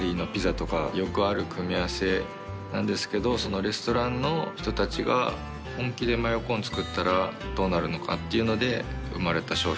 レストランの人たちが本気でマヨコーン作ったらどうなるのかっていうので生まれた商品。